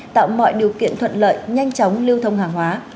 tạo mọi điều kiện thuận lợi nhanh chóng lưu thông hàng hóa